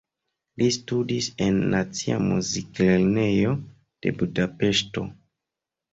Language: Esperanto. Li studis en Nacia Muziklernejo de Budapeŝto.